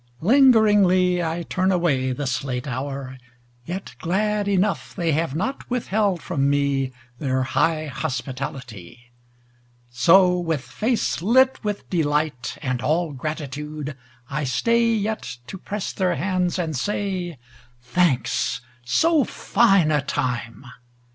Lingeringly I turn away, This late hour, yet glad enough They have not withheld from me Their high hospitality. So, with face lit with delight And all gratitude, I stay Yet to press their hands and say, "Thanks. So fine a time